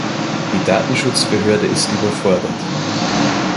Die Datenschutzbehörde ist überfordert.